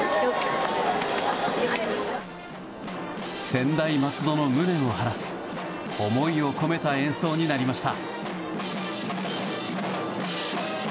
専大松戸の無念を晴らす思いを込めた演奏になりました。